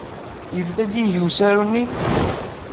Yebda-d yagi usaru-nni?